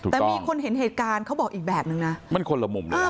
แต่มีคนเห็นเหตุการณ์เขาบอกอีกแบบนึงนะมันคนละมุมนะ